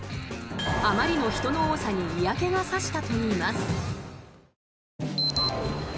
あまりの人の多さに嫌気が差したといいます。